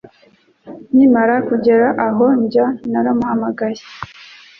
Nkimara kugera aho njya, naramuhamagaye.